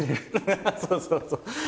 そうそうそう。